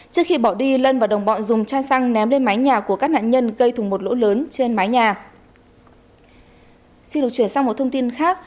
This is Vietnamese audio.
trước khi bỏ đi lân và đồng bọn dùng chai xăng ném lên mái nhà của các nạn nhân gây thùng một lỗ lớn trên mái nhà